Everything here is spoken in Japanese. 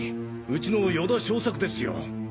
うちの与田昌作ですよ。